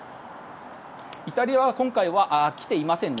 イタリアは今回は来ていませんね。